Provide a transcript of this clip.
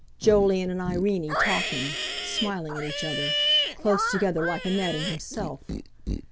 Jolyon and Irene talking, smiling at each other, close together like Annette and himself!